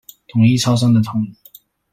統一超商的統一